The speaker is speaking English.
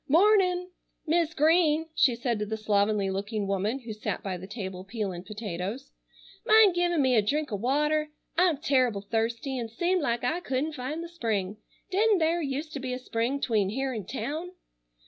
"Mornin'! Mis' Green," she said to the slovenly looking woman who sat by the table peeling potatoes. "Mind givin' me a drink o' water? I'm terrible thirsty, and seemed like I couldn't find the spring. Didn't thare used to be a spring 'tween here'n town?"